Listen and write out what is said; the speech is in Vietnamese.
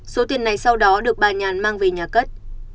số tiền này sau đó được bà nhàn mang về nhà cất